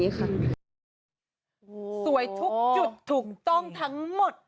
สวยทุกจุดถูกต้องทั้งหมด